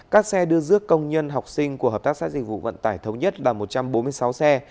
các xe đưa dước công nhân học sinh của hợp tác xã dịch vụ vận tải thống nhất là một trăm bốn mươi sáu xe